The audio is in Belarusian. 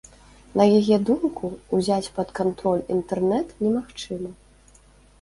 На яе думку, узяць пад кантроль інтэрнэт немагчыма.